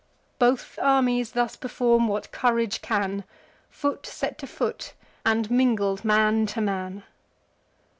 Both armies thus perform what courage can; Foot set to foot, and mingled man to man.